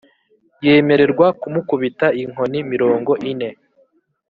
Yemererwa kumukubita inkoni mirongo ine